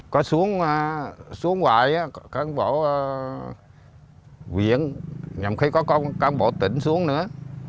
có xuống ngoài có cán bộ huyện nhằm khi có cán bộ tỉnh xuống nữa